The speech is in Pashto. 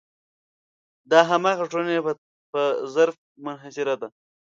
دا د همغې ټولنې په ظرف منحصره ده.